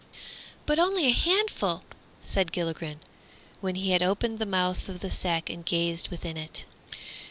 "But only a handful!" said Gilligren, when he had opened the mouth of the sack and gazed within it.